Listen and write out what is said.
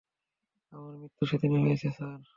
আমার মৃত্যু সেদিনই হয়েছে, স্যার।